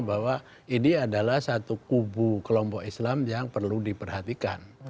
bahwa ini adalah satu kubu kelompok islam yang perlu diperhatikan